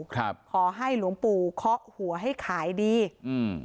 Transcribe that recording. ครับขอให้หลวงปู่ค็อกหัวให้ขายดีอืม